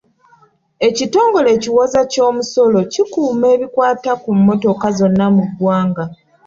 Ekitongole ekiwooza ky'omusolo kikuuma ebikwata ku mmotoka zonna mu ggwanga.